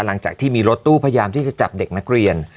หลังจากที่มีรถตู้พยายามที่จะจับเด็กนักเรียน